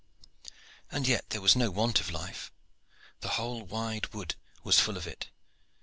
And yet there was no want of life the whole wide wood was full of it.